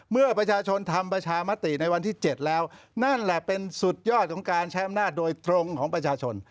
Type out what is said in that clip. เมื่อประชาชนทำประชามติในวันที่๗แล้วนั่นแหละเป็นสุดยอดของการใช้อำนาจโดยตรงของประชาชน